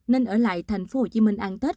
nên ở lại tp hcm ăn tết